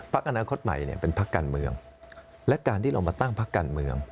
อนาคตใหม่เนี่ยเป็นพักการเมืองและการที่เรามาตั้งพักการเมือง